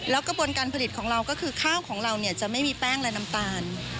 กระบวนการผลิตของเราก็คือข้าวของเราจะไม่มีแป้งและน้ำตาล